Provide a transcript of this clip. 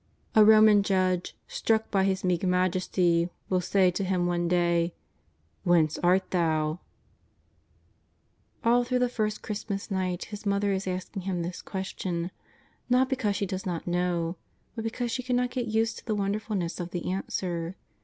A Roman judge, struck by His meek majesty, will say to Him one day :" Whence art Thou ?" All through the first Christmas night His Mother is asking Him this question, not because she does not know, but be cause she cannot get used to the wonderfulness of the answer.